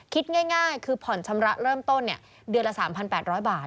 คิดง่ายคือผ่อนชำระเริ่มต้นเดือนละ๓๘๐๐บาท